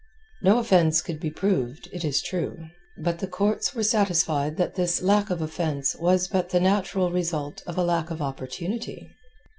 No offence could be proved, it is true. But the courts were satisfied that this lack of offence was but the natural result of a lack of opportunity.